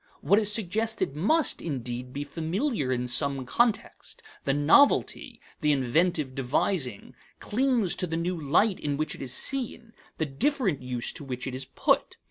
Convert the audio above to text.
What is suggested must, indeed, be familiar in some context; the novelty, the inventive devising, clings to the new light in which it is seen, the different use to which it is put.